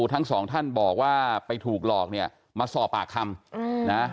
ทั้งสองท่านบอกว่าไปถูกหลอกมาสอบอากคำ